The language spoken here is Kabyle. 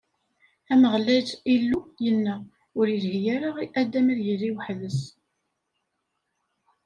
Ameɣlal Illu yenna: Ur ilhi ara i Adam ad yili weḥd-s.